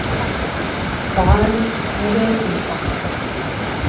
فَعّالٌ لِما يُريدُ